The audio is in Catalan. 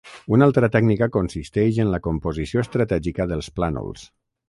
Una altra tècnica consisteix en la composició estratègica dels plànols.